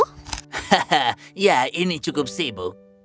hahaha ya ini cukup sibuk